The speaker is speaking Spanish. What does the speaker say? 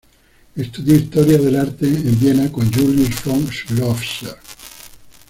Estudió historia del arte en Viena con Julius von Schlosser.